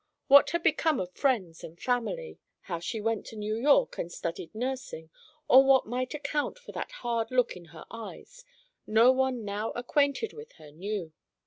What had become of friends and family, how she went to New York and studied nursing, or what might account for that hard look in her eyes, no one now acquainted with her knew.